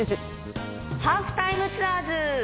『ハーフタイムツアーズ』！